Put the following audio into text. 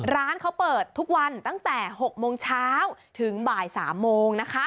ร้านเขาเปิดทุกวันตั้งแต่๖โมงเช้าถึงบ่าย๓โมงนะคะ